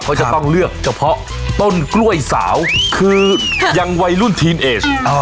เขาจะต้องเลือกเฉพาะต้นกล้วยสาวคือยังวัยรุ่นทีนเอส